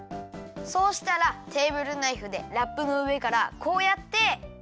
そうしたらテーブルナイフでラップのうえからこうやって３。